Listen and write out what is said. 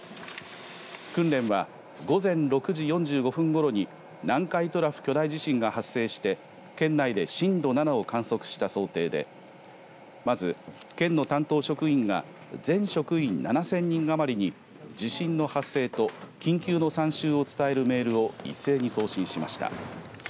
訓練は午前６時４５分ころに南海トラフ巨大地震が発生して県内で震度７を観測した想定でまず県の担当職員が全職員７０００人余りに地震の発生と緊急の参集を伝えるメールを一斉に送信しました。